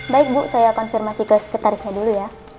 baik bu saya konfirmasi ke sekretarisnya dulu ya